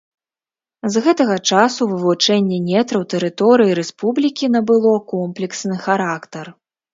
З гэтага часу вывучэнне нетраў тэрыторыі рэспублікі набыло комплексны характар.